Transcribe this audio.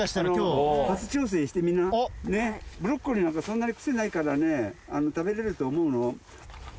ブロッコリーなんかそんなに癖ないからね食べれると思うの。